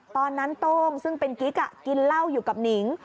โตโต้งซึ่งเป็นกิ๊กกินเหล้าอยู่กับหนิง